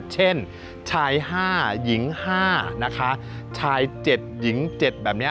เช่นชาย๕หญิง๕นะคะชาย๗หญิง๗แบบนี้